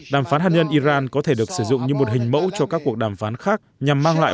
đàm phán hạt nhân iran có thể được sử dụng như một hình mẫu cho các cuộc đàm phán khác nhằm mang lại